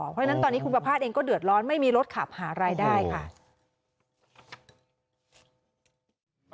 เพราะฉะนั้นตอนนี้คุณประภาษณเองก็เดือดร้อนไม่มีรถขับหารายได้ค่ะ